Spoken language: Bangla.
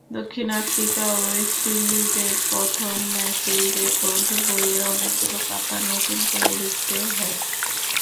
দক্ষিণ আফ্রিকা-ওয়েস্ট ইন্ডিজের প্রথম ম্যাচেই রেকর্ড বইয়ের অনেকগুলো পাতা নতুন করে লিখতে হয়।